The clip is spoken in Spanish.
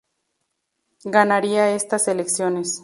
Ganaría estas elecciones